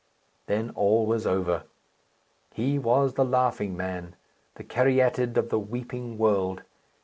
Then all was over. He was the laughing man, the caryatid of the weeping world.